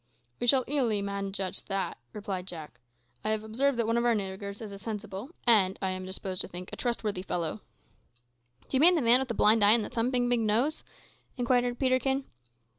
"We shall easily manage as to that," replied Jack. "I have observed that one of our niggers is a sensible, and, I am disposed to think, a trustworthy fellow " "D'you mean the man with the blind eye and the thumping big nose?" inquired Peterkin.